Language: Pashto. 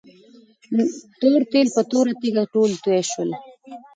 تور تیل په توره تيږه ټول توي شول.